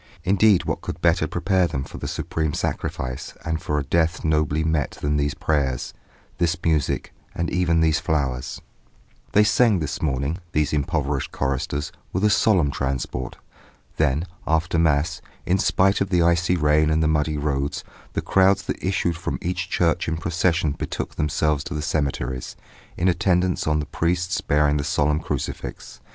Indeed what could better prepare them for the supreme sacrifice and for a death nobly met than these prayers, this music and even these flowers? They sang this morning, these improvised choristers, with a solemn transport. Then after Mass, in spite of the icy rain and the muddy roads, the crowds that issued from each church in procession betook themselves to the cemeteries, in attendance on the priests bearing the solemn crucifix.